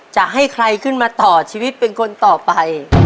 จะให้ใครขึ้นมาต่อชีวิตเป็นคนต่อไป